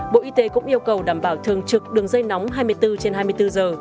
bộ y tế cũng yêu cầu đảm bảo thường trực đường dây nóng hai mươi bốn trên hai mươi bốn giờ